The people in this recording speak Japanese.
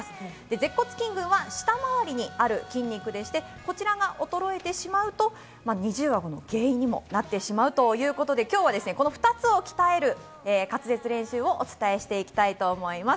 舌骨筋群は舌周りにある筋肉で、こちらが衰えてしまうと二重顎の原因にもなってしまうということで、今日はこの２つを鍛える滑舌練習をお伝えしていきたいと思います。